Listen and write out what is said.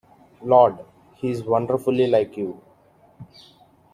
Lord, he's wonderfully like you!